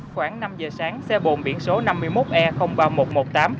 khoảng năm giờ sáng xe bồn biển số năm mươi một e ba nghìn một trăm một mươi tám